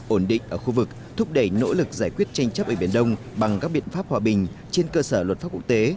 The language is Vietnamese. ổn định ở khu vực thúc đẩy nỗ lực giải quyết tranh chấp ở biển đông bằng các biện pháp hòa bình trên cơ sở luật pháp quốc tế